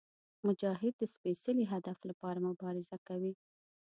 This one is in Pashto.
مجاهد د سپېڅلي هدف لپاره مبارزه کوي.